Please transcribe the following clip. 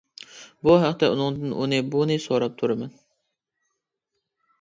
بۇ ھەقتە ئۇنىڭدىن ئۇنى بۇنى سوراپ تۇرىمەن.